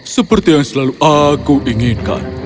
seperti yang selalu aku inginkan